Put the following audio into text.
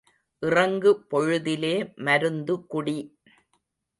இறங்கு பொழுதிலே மருந்து குடி.